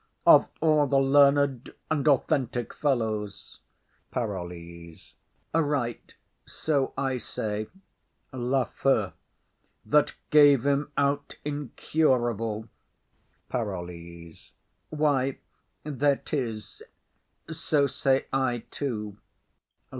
Of all the learned and authentic fellows,— PAROLLES. Right; so I say. LAFEW. That gave him out incurable,— PAROLLES. Why, there 'tis; so say I too.